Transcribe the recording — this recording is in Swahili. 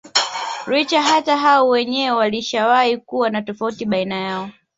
Licha hata hao wenyewe walishawahi kuwa na tofauti baina yao